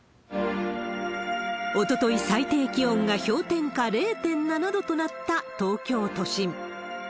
おととい、最低気温が氷点下０．７度となった、東京都心。